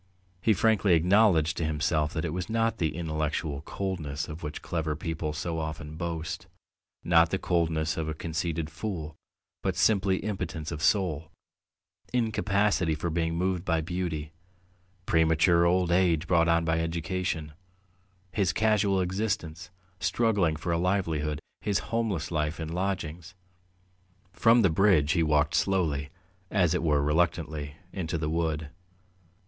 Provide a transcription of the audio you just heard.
He frankly acknowledged to himself that it was not the intellectual coldness of which clever people so often boast, not the coldness of a conceited fool, but simply impotence of soul, incapacity for being moved by beauty, premature old age brought on by education, his casual existence, struggling for a livelihood, his homeless life in lodgings. From the bridge he walked slowly, as it were reluctantly, into the wood.